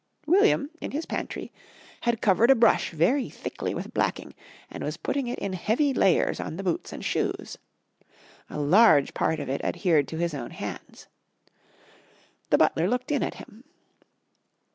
William, in his pantry, had covered a brush very thickly with blacking, and was putting it in heavy layers on the boots and shoes. A large part of it adhered to his own hands. The butler looked in at him.